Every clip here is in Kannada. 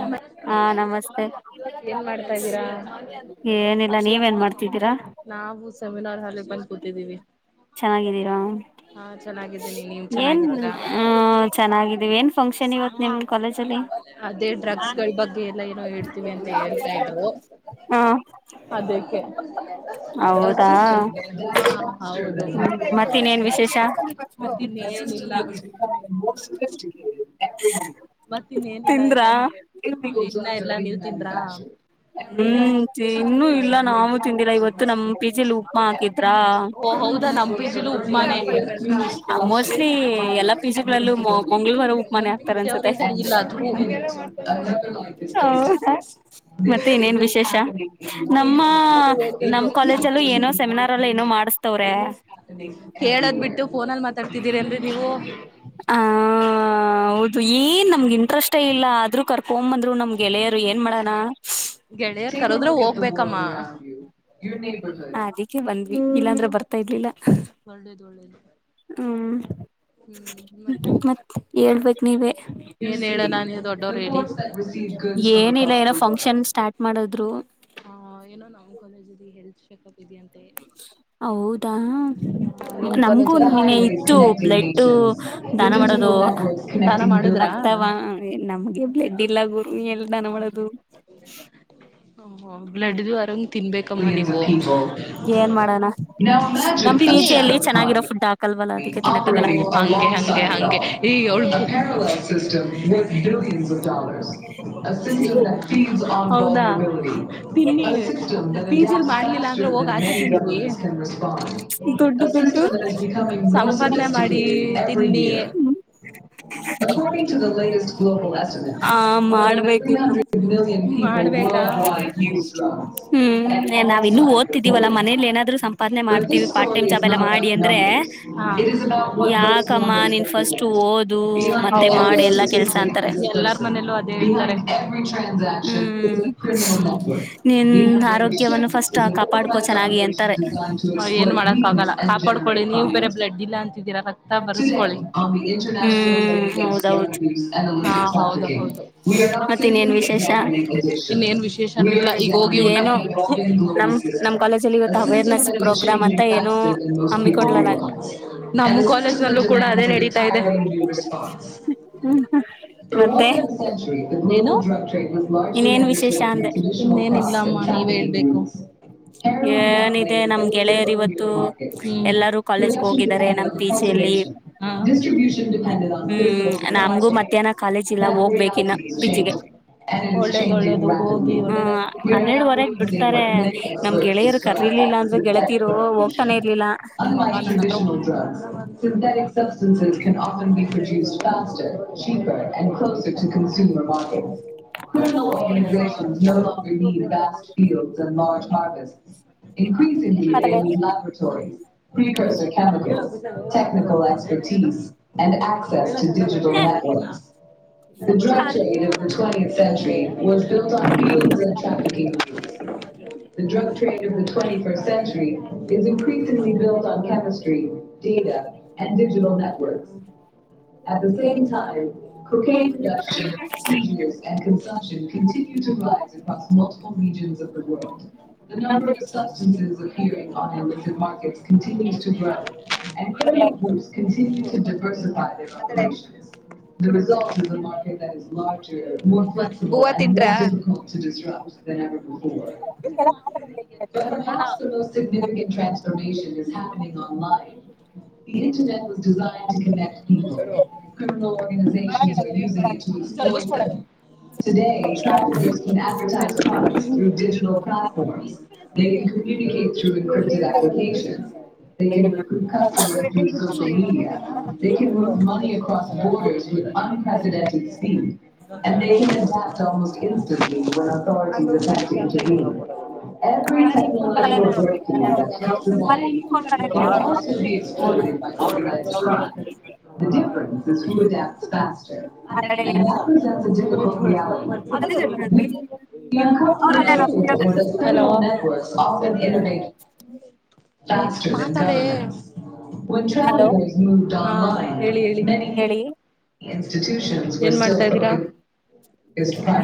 ನಮ್ಮ ಹಾ ನಮಸ್ತೆ ಏನ್ ಮಾಡ್ತಾ ಇದ್ದೀರಾ ಏನಿಲ್ಲ ನೀವೇನ್ ಮಾಡ್ತಿದ್ದೀರಾ ನಾವು ಸೆಮಿನಾರ್ ಹಲ್ಲೆ ಬಂದು್ ಕೂತಿದ್ದೀವಿ ಚೆನ್ನಾಗಿದ್ದೀರಾ ಹಾ ಚೆನ್ನಾಗಿದ್ದೀನಿ ನೀವ್ ಏನ್ ಚೆನ್ನಾಗಿದ್ದೀರಾ ಹ ಚೆನ್ನಾಗಿದೀವಿ ಏನ್ ಫಂಕ್ಷನ್ ಇವತ್ತು ನಿಮ್ ಕಾಲೇಜಲ್ಲಿ ಅದೇ ಡ್ರಗ್ಸ್ ಗಳ ಬಗ್ಗೆ ಎಲ್ಲ ಏನಾವ ಹೇಳ್ತೀವಿ ಅಂತ ಹೇಳ್ತಾ ಇದ್ರು ಹಾ ಅದಕ್ಕೆ ಹೌದಾ ಹ ಹೌದು ಮತ್ತಿನ್ನೇನ್ ವಿಶೇಷ ಮತ್ತ ಇನ್ನ ಏನಿಲ್ಲ ಮತ್ತ ಇನ್ ಏನಿಲ್ಲ ಎಲ್ಲ ತಿಂದ್ರಾ ಇನ್ನ ಎಲ್ಲಾ ನೀವ್ ತಿಂದ್ರಾ ಹ್ಮ್ ಇನ್ನುೂ ಇಲ್ಲ ನಾೂ ತಿಂದಿಲ್ಲ ಇವತ್ತು ನಮ ಪಿಜಿಲಿ ಉಪ್ಪ ಹಾಕಿದ್ರ ಓ ಹೌದಾ ನಮ್ ಪಿಜಿಲು ಉಪ್ಮಾನೆ ಮೋಸ್ಟ್ಲಿ ಎಲ್ಲಾ ಪೀಸಗಳಲ್ಲೂ ಮಂಗಳವಾರ ಉಪ್ಪ ಮಾಡ ನಮ್ ತ್ತರ ಪ್ರೀತಿ ಅವರೇ ಸರಿಗಿಲ್ಲ ಅದು ಮತ್ತೆ ಇನೇನ್ ವಿಶೇಷ ನೀವ್ ನಮ್ಮ ಹೇಳ್ಬೇಕು ನಮ್ಮ್ ಕಾಲೇಜಲ್ಲೂ ಏನೋ ಸೆಮಿನಾರ್ ಅಲ್ಲ ಏನೋ ಮಾಡಿಸತಾವ [inaudible] ಕೇಳದ್ ಬಿಟ್ಟು ಫೋನಲ್ಲಿ ಮಾತಾಡ್ತಿದ್ದೀರೇನ್ರಿ ನೀವು ಆ ಹೌದು ಏನ್ ನಮ್ಗೆ ಇಂಟ್ರೆಸ್ೇ ಇಲ್ಲ ಆದ್ೂ ಕರ್ಕೊ ಬಂದ್ರು ನಮ್ಗೆಳೆಯರು ಏನ್ ಮಾಡಣ ಗೆಳೆಯರ್ ಕರದ್ರೆ ಹೋಗ್ಬೇಕಮ್ಮ ಹ ಅದಿಕ್ಕೆ ಬಂದ್ವಿ ಇಲ್ಲಾಂದ್ರೆ ಬರ್ತಾ ಇದ್ಲಿಲ್ಲ ಒಳ್ಳೇದು ಒಳ್ಳೇದು ಹ್ಮ್ ಮತ್ತೆ ಮತ್ತ ಹೇಳ್ಬೇಕ ನೀವೇ ಏನ್ ಹೇಳಣ ನೀವ್ ದೊಡ್ಡವ್ರು ಹೇಳಿ ಏನಿಲ್ಲ ಏನೋ ಫಂಕ್ಷನ್ ಸ್ಟಾರ್ಟ್ ಮಾಡದ್ರು ಹ ಏನೋ ನಾ ಕಾಲೇಜಲ್ಲಿ ಹೇಳ್ತ ಹೌದಾ ನಿಮ್ ಕಾಲೇಜ್ ನಮ್ಗೂನೆ ಇತ್ತು ಎಲ್ಲ ಬ್ಲಡ್ ದಾನ ಮಾಡೋದು ದಾನ ಮಾಡಿದ್ರಾ ರಕ್ತ ನಮಗೆ ಬ್ಡ್ ಇಲ್ಲ ಗುರು ಎಲ್ ದಾನ ಮಾಡದು ಹ ಬ್ಲಡ್ದ ಅರಂಗ್ ತಿನ್ಬೇಕಮ್ಮ [inaudible] ಏನ್ ಮಾಡೋಣ ನಮ್ ಪಿ ಜಿಯಲ್ಲಿ ಚೆನ್ನಾಗಿರೋ ಫುಡ್ ಹಾಕಲ್ವಲ್ಲ ಅದಕ್ಕೆ ಹೆ ತಿನ್ನಕ್ಕಾಗಲ್ಲ ಹೆ ಹೆ ಈ ಅವ ಚ ತಿನ್ನಿ ಟೀಚರ್ ಮಾಡ್ಲಿಲ್ಲ ಅಂದ್ರೆ ಹೋಗ ಆಚೆ ತಿನ್ ದುಡ್ಡು ದುಡ್ಡು ಸಂಪಾದನೆ ಮಾಡಿ ತಿಂಡಿ ಹ ಕೋಂ ಎ್ಲೋಂಗ್ ಆ ಮಾಡ್ಬೇಕು ಇನ್ನು ಅದೆೆಡ್ ಹ್ಮ್ ನಾವ್ ಇನ್ನು ಓದ್ತಿದೀವಲ್ಲಾ ಮನೇಲಿ ಏನಾದ್ರು ಸಂಪಾದನೆ ದ್ ಮಾಡ್ತೀವಿ ಸ್ಟೋ ಪಾರ್ಟ್ ಟೈಮ್ ಇಸ್ ಜಾಬ್ ಎಲ್ಲ ಮಾಡಿ ಅಂದ್ರೆ ಹೌ ಇದಾ ಯಾಕಮ್ಮ ನೀನ್ ಫಸ್ಟ್ ಓದು ಮತ್ತೆ ಮಾಡು ಎಲ್ಲಾ ಕೆಲ್ಸ ಅಂತಾರೆ ಒ ಮನಲ್ಲ ಅದೇ ಇತಾರೆ ಹ್ಮ್ ನಿನ್ ಆರೋಗ್ಯವನ್ನು ಫಸ್ಟ್ ಕಾಪಾಡ್ಕೋ ಚೆನ್ನಾಗಿ ಅಂತಾರೆ ಏನ್ ಮಾಡಕ್ಕಗಲ್ಲ ಕಾಪಾಡ್ಕೊಳ್ಳಿ ನೀವು ಬೇರೆ ಬ್ಲಡ್ ಇಲ್ಲ ಅಂತಿದ್ದೀರಾ ಬರ್ಸ್ಕೊಳ್ಳಿ ಇಂಟರ್ನ್ಯಾಲ್ ಹ್ಮ್ ಹೌದೌದು ಮತ್ತಿನ್ನೇನ್ ವಿಶೇಷ ನ್ನೇನ್ ವಿಶೇಷನಿಲ್ಲ ಈಗ ಹೋಗಿ ಊಟ ಏನೋ ನಮ್ ನಮ್ ಕಾಲೇಜಲ್ಲಿ ಇವತ್ತು ಅವೇರ್ನೆಸ್ ಪ್ರೋಗ್ರಾಮ್ ಅಂತ ಏನೋ ಹಮ್ಮಿಕೊಂಡ್ಲಲ್ಲ ್ಟ್ ಲ್ಲೂ ಕೂಡ ಅದೇ ನಡೀತಾ ಇದೆ ಹಾ ಇನ್ನೇನ್ ವಿಶೇಷ ನು ಅಂದೆ [inaudible] ಏನಿದೆ ನಮ್ ಗೆಳೆಯರ್ ಇವತ್ತು ಎಲ್ಲಾರೂ ಕಾಲೇಜ್ಗೆ ಹೋಗಿದ್ದಾರೆ ನಮ್ ಪಿ ಪ್ರೊಡಕ್ಷಡಿಸ್ಟ್ರಿಬ್ಯೂಷ ಜಿ ಯಲ್ಲಿ ಹ್ಮ್ ನಮ್ಗೂ ಪಂಡ ಮಧ್ಯಾಹ್ನ ಕಾಲೇಜ್ ಹ ಇಲ್ಲ ಹೋಗ್ಬೇಕಿನ್ನ ಪಿ ಜಿಗೆ ಒಳ್ಳದು ಒಳ್ಳದು ಹೋಗಿ ಒಳ್ಳೆದ ಹ್ಮ ಹನ್ನೆರಡುವರೆಗ್ ಬಿಡ್ತಾರೆ ನಮ್ ಗೆಳೆಯರು ಕರೀಲಿಲ್ಲ ಅಂದ್ರು ಗೆಳತಿರು ಹೋಗ್ತಾನೆ ಇರ್ಲಿಲ್ಲ [inaudible] [inaudible] [inaudible] ನ ನಸ್ಗಸ್ಟ್ ಇ್ರ ಚೆನ ಚಿ ಗುಜರತ ಜ ಗುಜವಾ ಇಸ ಒ ಬಟ ಚ [inaudible] [inaudible] [inaudible] [inaudible] [inaudible] [inaudible] ಗವ ತಿನ್್ರಾ ಸಿಿಂಟ್ ಟ್ರಾನ್ಸ್ರ್ನ್ [inaudible] [inaudible] ಸ್ ಕೊಡ ಪ್ರ ಪ್ರ [inaudible] ಲ ಬ [inaudible] [inaudible] [inaudible] [inaudible] ೂಜ್ಾಸ್ ಆ ಕಡೆ ಅ ಲ ಲ್ಲ ಹಲೋ ಹೇಳಿ ಹೇಳ ಹೇಳಿ ಏನ್ ಮಾಡ್ತಾ್ದೀರಾ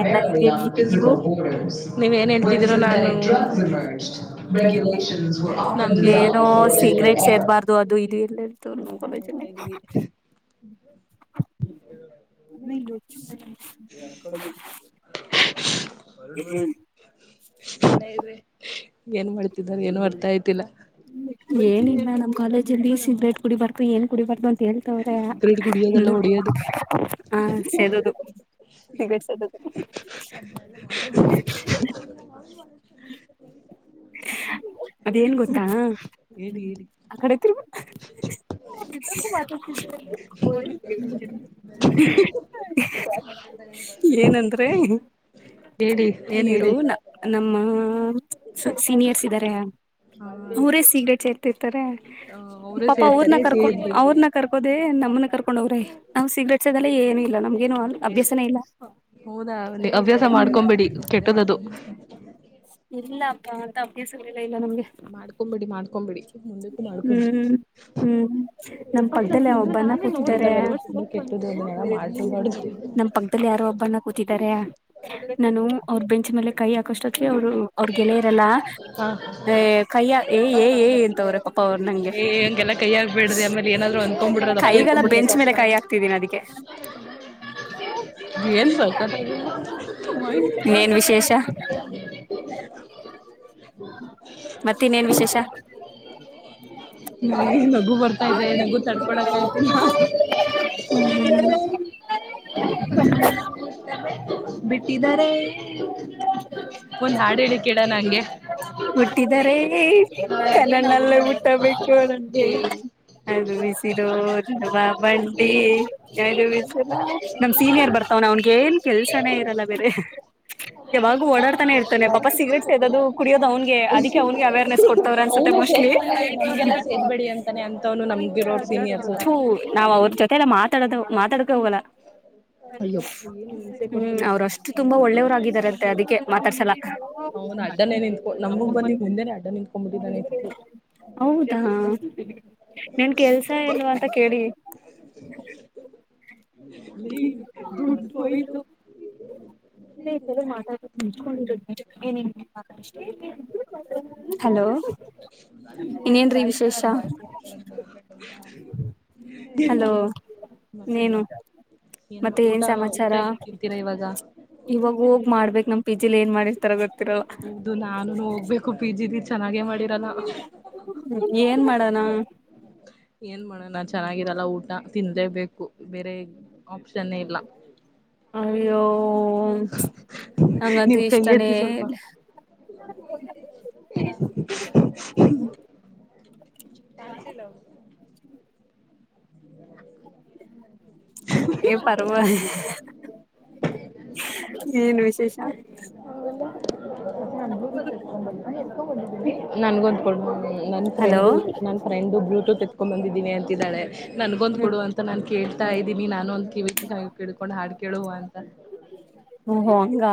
ಎಲ್ಲ ಇದ್ದೀವಿ ನೀವು ನೀವ ನ್ ಹತಿದೀರ ನ ಮೆಗುಲಷನ್ಸ್ ಏನೋ ಸಿಗ್ರೆಟ್ ನಾವು ಸೇದಬಾರ್ದು ಅದು ಇದು ಎಲ್ಲ ಇರ್ತವ್ರ ನಮ್ ಕಾಲೇಜಲ್ಲಿ ನೋಡ್ತಾ ಇದ್ದೀವಿ ಹ ಮ ದೆ ಏನ್ ಮಾಡ್ತಿದಿದ್ದಾರೆ ಏನ್ ಮಾಡ್ತಾ ಆ್ತಿಲ್ಲ ಏನಿಲ್ಲ ನಮ್ ಕಾಲೇಜಲ್ಲಿ ಸಿಬೇಟ್ ಕುಡಿಬಾರ್ದು ಏನ್ ಕುಡಿಬಾರ್ದು ಅಂತ ಎೇಳ್ತವ್ರೆ ಸಿಗರೇಟ್ ಕುಡಿಯೋದಲ್ಲ ಹೊಡಿಯೋದು ಹ ಸೇದದು ಗ ಅದೇನ್ ಗೊತ್ತಾ ಹೇಳಿ ಹೇಳಿ ಆ ಕಡೆ ಮಾಡತ ಹ ಏನಂದ್ರೆ ಹೇಳಿ ಏನ್ ಇವರು ಹೇಳಿ ನ ನಮ್ಮ ಹ ಸೀನಿಯರ್ಸ್ ಇದ್ದಾರೆ ಹ ಊರೇ ಸೀಗ್ಡೆ ಚೇರ್ತಿರ್ತಾರೆ ಅವರೇ ಪಾಪಾ ಅವ್ರನ್ನ ಸೇರ್ತಾರೆ ಕರ್ಕೊ ಸೇರ್ಬೇಕು ಅವ್ರನ ಕರ್ಕೋದೆೇ ನಮ್ನ ಕರ್ಕೊಂಡೋಗ್ರ ನಾವ್ ಸಿಗ್ರೇಟ್ ಅ ಏನು ಇಲ್ಲ ನಮ್ಗೇನು ಅ ಅಭ್ಯಾಸನ ಇಲ್ಲ ಹೌದಾ ಹವ್ಯಾಸ ಹ್ಮ ಮಾಡ್ಕೊಂಬೇಡಿ ಕೆಟ್ಟದದು ಇಲ್ಲ ಅಬ್ಬ ಅಂತ ಅಪ್ಯಾಸರಲಿಲ್ಲ ಇಲ್ಲ ನಮ್ಗೆ ಮಾಡ್ಕೊಂಬಿಡಿ ಮಾಡ್ಕೊಂಬಿಡಿ ಮುಂದಕ್ಕೂ ಮಾಡ್ಕೊಂಬಿಡಿ ಹ್ಮ್ ಹ್ಮ್ ನಮ್ ಕೊಡ್ತಲ್ಲ ಒಬ್ಬನ ಕುತ್ತಾರೆ ಅಂತವೆಲ್ಲ ತುಂಬಾ ಕೆಟ್ಟದು ಅದನ್ನೆಲ್ಲ ಮಾಡ್ಕೊಬಾರ್ದು ನಮ್ಮ ಪಕ್ಕದಲ್ಲಿ ಯಾರೋ ಒಬ್ಬನ್ನ ಕೂತಿದಾರ ನಾನು ಬೆಂಚಿ ಮೇಲೆ ಕೈ ಹಾಕಷ್ಟ ಅವರು ಅವ್ರರು ಗೆಳೆಯ ಇರಲ್ಲ ಹಾ ಕೈ ಏ ಅಂತವ್ರೆ ಪಾಪ ಅವರು ನಂಗೆ ಏ ಹಂಗೆಲ್ಲ ಕೈ ಹಾಕ್ಬೇಡ್ರಿ ಆಮೇಲೆ ಏನಾದ್ರು ಅಂದ್ಕೊಂಡ್ಬಿಟ್ರೆ ದಪ್ಪ ಕೈ ತಿಳ್ಕೊಂಡ್ಬಿಟ್ರೆ ಬೆಂಚ್ ಮೇಲೆ ಕಷ್ಟ ಕೈ ಆಗ್ತಿದೀನಿ ಅದಕ್ಕೆ ಏನ್ ಸಕ್ಕತ್ತಾಗಿದೆ ನೀೇನ್ ವಿಶೇಷ ಮತ್ತ ಇನ್ನೇನ್ ವಿಶೇಷ ನಗು ಬರ್ತಾ ಇದೆ ನಗು ತಡ್ಕೊಳಕ್ ಆಯ್ತಿಲ್ಲ ಹ್ಮ್ ಹ ಹ ಬಿಟ್ಟಿದಿದ್ದಾರೆ ಒನ್ ಹಾಡಡ ಕೇಡ ನಂಗೆ ಹುಟ್ಟಿದರೆ ಕನ್ನಣ್ಣಲ್ಲೇ ಹ ಅದು ಬಿಸಿರುೋ ಬಂಡಿ ಅದು ಬಿಸಿ ನಮ ಸೀನಿಯರ್ ಬರ್ತ ಅವನ ಅವನ್ಗ ಏನ್ ಕೆಲ್ಸನೇ ಇರಲ್ಲ ಬೇರೆ ಯಾವಾಗ ತಾನೇ ಇರ್ತೆ ಪಾಪ ಸಿಗರೆಟ್ಸ್ದೋದು ಕುಡಿಯೋದು ಅವ್ಿಗೆ ಅದಕ್ಕೆ ಅವ್ಿಗೆ ಅವೇರ್ನೆಸ್ಡ್ತಾರೆ ಅವನೇ ಮುಸ್ಲಿ ಸೇರ್ತಾನೆ ನಮ್ಗೆಲ್ಲ ಹ ಸೇರ್ಬೇಡಿ ಅಂತಾನೆ ಅಂತವನು ನಮ್ಗಿರೋರ್ ಸೀನಿಯರ್ಸ್ ನ ಜೊತೆ ಎಲ್ಲ ಮಾತಾಡದ ಮಾತಾಡ್ಕ ಹೋಗಲ್ಲ ಅಯ್ಯಪ್ಪ ಏನ್ ಹಿಂಸೆ ಕೊಡ್ತಾರ ಹ್ಮ್ ಗೊತ್ತಾ ನಮ್ ಅವ್ರಷ್ಟು ತುಂಬಾ ಸೀನಿಯರ್ಸ್ ಕೂಡ ಒಳ್ಳೆಯವ್ಾಗಿದಾರಂತೆ ಅದಕ್ಕೆ ಮಾತಾಡ್ಸಲ್ಲ ಅವ್ನು ಅಡ್ಡನೇ ನಿತ್ೊಂಡು ನಮಗಗ್ ಬಂದಿ ಮುಂದೆನೆ ಅಡ್ಡ ನಿಂತ್ಕೊಂಬ ಬಿಟ್ಟಿದ್ದಾನೆ ಇತಿ ಹೌದಾ ನನ್ ಕೆಲ್ಸ ಎಲ್ವಾ ಅಂತ ಕೇಳಿ [unintelligible] ಏ ದುಡ್ಡ್ ಹೋಯ್ತು [unintelligible] ಹಲೋ ಇನ್ನೇನ್ರೀ ವಿಶೇಷ [unintelligible] ಏನ್ ಹಲೋ ಮಾತಾಡ್ ನೀನು ಮಾತಾಡ್ ಮತ್ತೆ ಊಟ ಏನ್ ಸಮಾಚಾರ ಊಟ ಏನ್ ತಿಂತೀರಾ ಇವಾಗ ಇವಾಗ ಹೋಗ್ ಮಾಡ್ಬೇಕಕ್ ನಮ್ ಪಿ ಜ ಏನ್ ಮಾಡಿರ್ತರ ಹೌದು ನಾನು ಹೋಗ್ಬೇಕು ಪಿಜಿಲಿ ಚೆನ್ನಾಗೆ ಮಾಡಿ ಏನ್ ಮಾಡಾಣ ಏನ್ ಮಾಡೋಣ ಚೆನ್ನಾಗಿರಲ್ಲ ಊಟ ತಿನ್ಲೇ ಬೇಕು ಬೇರೆ ಆಪ್ಷನ್ ಇಲ್ಲ ಅಯ್ಯೋ ಹ್ಮ ಅಂಗಂತು ನೀವ್ ಕೈ ಇಷ್ಟಾನೇ ಎತ್ತಿ ಸ್ವಲ್ಪ [unintelligible] ಕಾಣಸಲ [unintelligible] ಪರ್ವ [unintelligible] ಏನ್ ವಿಶೇಷ [unintelligible] ನನ್ಗೊಂದ್ ಕೊಡು ನನ್ ಹಲೋ ಫ್ರೆಂಡು ನನ್ ಫ್ರೆಂಡ್ ಬ್ಲೂಟೂತ್ ಬಂದಿದ್ದೀನಿ ಅಂತಿದ್ದಾಳೆ ನನ್ಗೊಂದ್ ಹ್ಮ ಕೊಡುುವ ಅಂತ ನಾನನ್ ಕೇಳ್ತಾ ಇದ್ದೀನಿ ನಾನು ಒಂದ್ ಕಿವಿ ಕಿಡ್ಕೊಂಡ್ ಹಾಡ್ ಕೇಳುವ ಅಂತ ಹೋಹೊ ಹಂಗ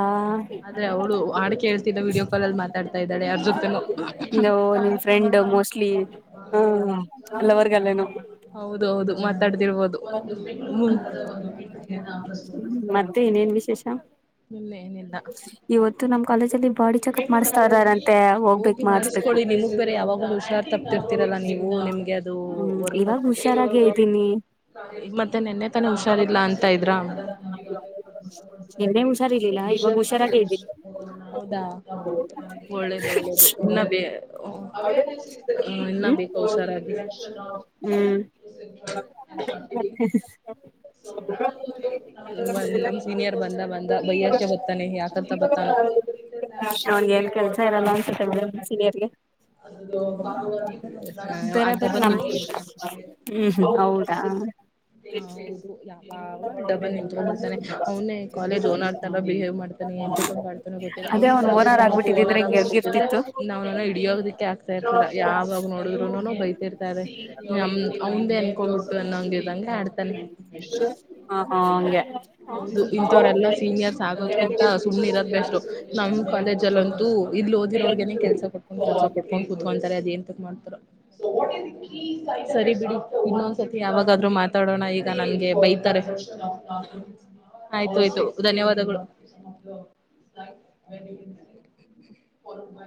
ಆದ್ರೆ ಅವಳು ಹಾಡು ಕೇಳ್ತಿಲ್ಲ ವೀಡಿಯೋ ಕಾಲ್ ಅಲ್ಲಿ ಮಾತಾಡ್ತಾ ಇದ್ದಾಳೆ ಯಾರ್ಜತೆನೋ ನಿಮ್ ಫ್ರೆಂಡ್ ಮೋಸ್ಟ್ಲಿ ಹಲ್ಲವಗಲ್ಲನ [unintelligible] ಹೌದು ಮಾತಾಡ್ತಿರ್ಬೋದು ಹ್ಮ ಮತ್ತೆ ಇನೇನ್ ವಿಶೇಷ ಇನ್ನೇನಿಲ್ಲ ಇವತ್ತು ನಮ ಕಾಲೇಜಲ್ಲಿ [unintelligible] ಬಾಡಿ ಚೆಕಪ್ ಮಾಡ್ಸ್ತಾ ಇದ್ದಾರಂತೆ ಹೋಗ್ಬೇಕು ಹೋಗಿ ಮಾಡಿಸಬೇಕು ಮಾಡಿಸ್ಕೊಳ್ಳಿ ನಿಮಗ್ ಬೇರೆ ಯಾವಾಗಲೂ ಹುಷಾರ್ ತಪ್ಪತಿರ್ತಿರಲ್ಲ ನೀವು ನಿಮ್ಗೆ ಅದು ಹ್ಮ್ ಇವಾಗ ಹುಷಾರಾಗೆ ಇದೀನಿ ಹ್ಮ್ ಮತ್ತೆ ನೆನ್ನೆ ತಾನೆ ಹುಷಾರಿಲ್ಲಾ ಅಂತ ಇದ್ರ ನೆನ್ನೆ ಹುಷಾರಿರ್ಲಿಲ್ಲಾ ಇವಾಗ ಹುಷಾರಾಗೆ ಇದ್ದೀನಿ ಹೌದಾ ಹೌದು ಹ್ಮ್ ಒಳ್ಳೇದು ಒಳ್ಳೇದು ಇನ್ನ ಇನ್ನ ಬೇಗ ಹುಷಾರಾಗಿ ಹ್ಮ್ [unintelligible] ಬಂದ ನಮ್ಸೀನಿಯರ್ ಬಂದ ಬಂದ ಬೈಯ್ಯಕ್ಕೆ ಬತ್ತಾನೆ ಯಾಕ ತ್ತ ಬತ್ತಾವ್ನೆ ಅವ್ನ್ಗೆ ಏನ್ ಕೆಲ್ಸ ಇರಲ್ಲ ಅನ್ಸತೆ ಬಿಡು ಸೀನಿಯರ್ಗೆ ಅದು ಬಾನ [unintelligible] ಬೇರ ಬೇ ಹ್ಮ್ ಹೌದಾ [unintelligible] ೌ ಯ ಡಬಂ್ [unintelligible] ಮಾಡತಾನೆ ಅವನೇ ಕಾಲೇಜ್ ಓನರ್ ತರ ಬಿಹೇವ್ ಮಾಡ್ತಾನೆ ಎ ಗೊತ್ತಿಲ್ಲ ಅದೇ ಅವನ್ ಅವ್ನ್ ಕಾಲೇಜ್ ಓನರ್ ಆಗ್ಬಿಟ್ಟಿದಿದ್ರೆ ಓನರ್ ಹಿಂಗ್ ಆಗ್ಬಿಟ್ಟಿದ್ರೆ ಗೆಲ್ಗಿರ್ತಿತ್ತು. ಇನ್ನ ಅವ್ನನ ಹಿಡಿಯೋದಕ್ಕೆ ಆಗ್ತಾ ಯಾವಾಗ ನೋಡಿದ್ರುನ ಬೈತರ್ತ ಅವ್ದ ಅನ್ಕೊಂಡಬಿಟ್ಟು ಅನ್ನೋಂಗಿದಂಗಗೆ ಆಡ್ತಾನೆ ಹಾ ಹಾ ಹಂಗೆ. ಹೌದು ಇನ್ಥವ್ರಲ್ಲಾ ಸೀನಿಯರ್ಸ್ ಆಗೋದ್ಕಿಂತ ಸುಮ್ನೆ ಇರೋದ ಬ ಷ್ಟ ನಮ್ಮ ಲ್ಲ ಅಂತೂ ಇಲ್ಲಿ ಓದಿರೋರ್ಗೆನೆ ಕೆಲ್ಸ ಕೊಟ್ಕೊಂಡ್ ಕೆಲ್ಸಾ ಕೊಟ್ಕೊಂಡ್ ಕುೂತ್ಕೂಂತಾರೆ ಅದೇನ್ತ ಮಾಡ್ತಾರ ಸರಿ ಬಿಡಿ ಇನ್ನೊಂದ್ಸತಿ ಯಾವಾಗಾದ್ರೂ ಮಾತಾಡೋಣ ಈಗ ನಂಗೆ ಬೈತಾರೆ ಆಯ್ತು ಆಯ್ತು ಧನ್ಯವಾದಗಳು ಹ [unintelligible]